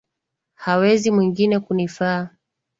Hawezi mwingine, kunifaa.